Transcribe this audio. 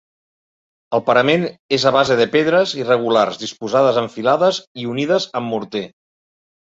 El parament és a base de pedres irregulars disposades en filades i unides amb morter.